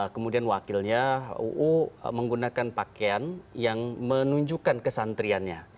kemudian wakilnya uu menggunakan pakaian yang menunjukkan kesantriannya